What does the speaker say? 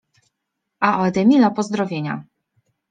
A od Emila pozdrowienia.